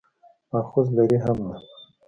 مأخذ لري هم نه.